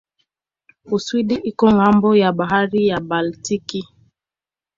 Uswidi iko ng'ambo ya bahari ya Baltiki.